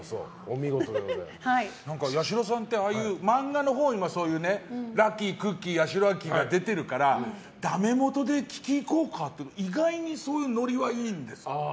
八代さんって漫画のほうにもラッキー、クッキー、八代亜紀が出てるからダメもとで聞き行こうかって意外にそういうノリはいいんですよ。